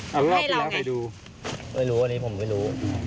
รอบนี้แล้วใครดูไม่รู้อันนี้ผมไม่รู้